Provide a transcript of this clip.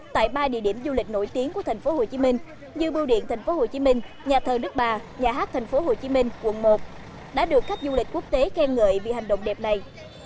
tại ba địa điểm du lịch nổi tiếng của tp hcm như bưu điện tp hcm nhà thờ đức bà nhà hát tp hcm quận một đã được khách du lịch quốc tế khen ngợi vì hành động đẹp này